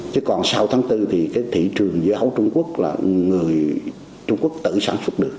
chứ còn sau tháng bốn thì thị trường dưa hấu trung quốc là